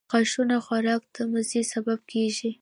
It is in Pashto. • غاښونه د خوراک د مزې سبب کیږي.